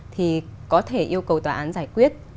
thì có thể yêu cầu tòa án giải quyết